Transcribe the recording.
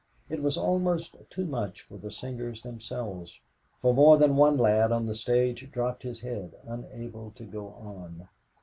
It was almost too much for the singers themselves, for more than one lad on the stage dropped his head, unable to go on.